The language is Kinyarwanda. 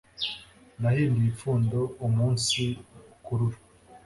nahinduye ipfundo umunsi ukurura